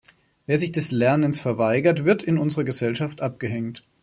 Wer sich des Lernens verweigert, wird in unserer Gesellschaft abgehängt.